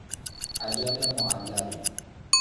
اجل معلقی